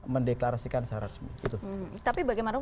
mendeklarasikan secara resmi tapi bagaimana